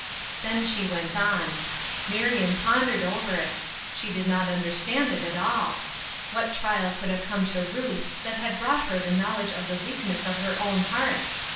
Then she went on. Marion pondered over it. She did not understand it at all. What trial could have come to Ruth that had brought her the knowledge of the weakness of her own heart?